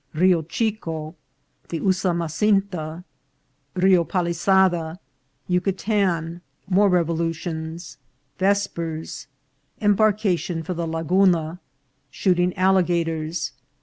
— Rio Chico. — The Usumasinta. — Rio Pal isada. — Yucatan. — More Revolutions. — Vespers. — Embarcation for the La guna. — Shooting Alligators.